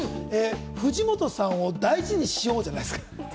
藤本さんを大事にしようじゃないですか？